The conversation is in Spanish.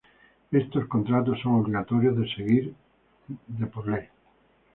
Estos contratos son obligatorias de seguir de por ley.